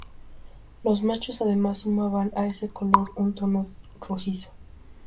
Los machos además sumaban a ese color un tono rojizo.